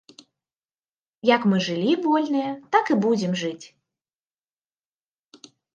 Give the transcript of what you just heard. Як мы жылі вольныя, так і будзем жыць!